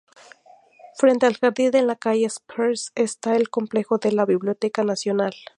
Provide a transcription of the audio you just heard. Frente al jardín en la Calle Spears esta el complejo de la Biblioteca Nacional.